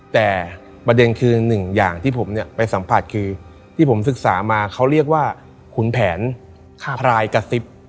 แต่ประเด็นคือหนึ่งอย่างที่ผมเนี่ยไปสัมผัสคือที่ผมศึกษามาเขาเรียกว่าขุนแผนพรายกระซิบ